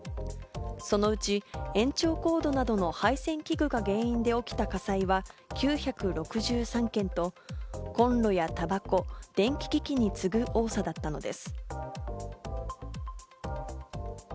そのうち延長コードなどの配線器具が原因で起きた火災は９６３件と、コンロやたばこ、電気機器に次ぐ多さだったのです。